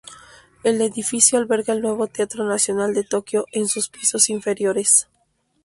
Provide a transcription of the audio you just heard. El edificio alberga el Nuevo Teatro Nacional de Tokio en sus pisos inferiores.